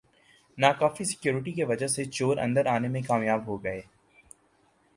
ناکافی سیکورٹی کی وجہ سےچور اندر آنے میں کامیاب ہوگئے